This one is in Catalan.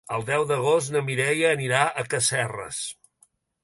El deu d'agost na Mireia anirà a Casserres.